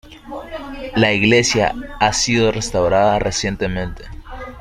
La iglesia ha sido restaurada recientemente.